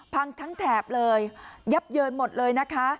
ทั้งแถบเลยยับเยินหมดเลยนะคะ